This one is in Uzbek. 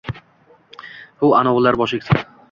Huv anovilar bosh egsin!